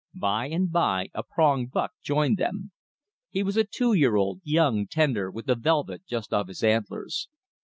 By and by a prong buck joined them. He was a two year old, young, tender, with the velvet just off his antlers.